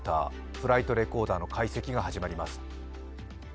フライトレコーダーの解析が始まります。